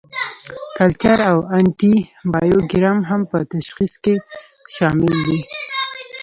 کلچر او انټي بایوګرام هم په تشخیص کې شامل دي.